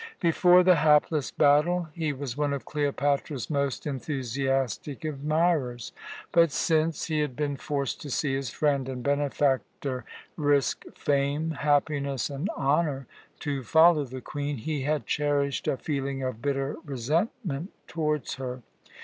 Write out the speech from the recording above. Before the hapless battle he was one of Cleopatra's most enthusiastic admirers; but since he had been forced to see his friend and benefactor risk fame, happiness, and honour to follow the Queen, he had cherished a feeling of bitter resentment towards her.